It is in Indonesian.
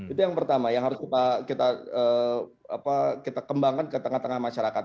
itu yang pertama yang harus kita kembangkan ke tengah tengah masyarakat